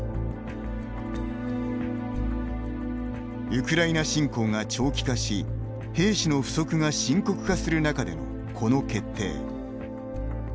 ウクライナ侵攻が長期化し兵士の不足が深刻化する中でのこの決定。